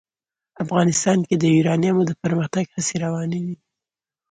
افغانستان کې د یورانیم د پرمختګ هڅې روانې دي.